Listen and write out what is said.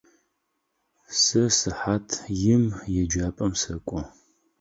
Сэ сыхьат им еджапӏэм сэкӏо.